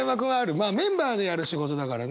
まあメンバーでやる仕事だからね。